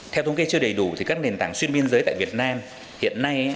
theo thống kê chưa đầy đủ thì các nền tảng xuyên biên giới tại việt nam hiện nay